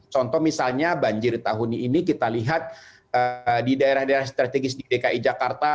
contoh misalnya banjir tahun ini kita lihat di daerah daerah strategis di dki jakarta